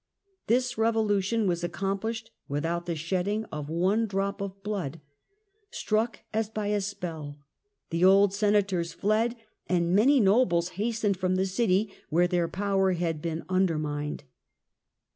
This revolution was accomphshed isTt^^ '°' without the shedding of one drop of blood : struck as by a spell, the old Senators fled and many nobles hastened from the city where their power had been undermined.